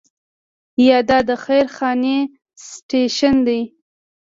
یا دا د خير خانې سټیشن دی.